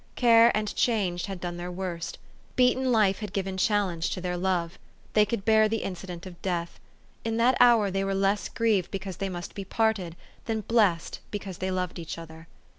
Care and change had done their worst. Beaten life had given challenge to their love. They could bear the incident of death. In that hour they were less grieved because they must be parted, than blessed because they loved each other.